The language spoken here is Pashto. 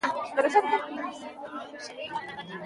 دا غر د افغانستان د اوږدمهاله پایښت لپاره مهم رول لري.